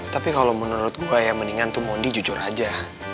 tapi kalau menurut gue yang mendingan tuh mondi jujur aja